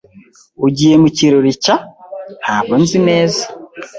"Ugiye mu kirori cya ?" "Ntabwo nzi neza."